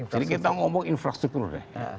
jadi kita ngomong infrastruktur deh